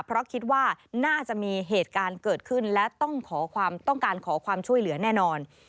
เพราะคิดว่าน่าจะมีเหตุการณ์เกิดขึ้นและต้องขอความต้องการขอความช่วยเหลือแน่นอน